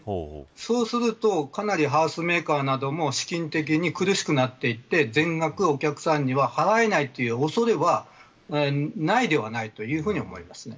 そうするとかなり、ハウスメーカーなども資金的に苦しくなっていって全額お客さんには払えないというおそれはないではないと思います。